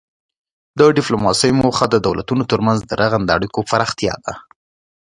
د ډیپلوماسي موخه د دولتونو ترمنځ د رغنده اړیکو پراختیا ده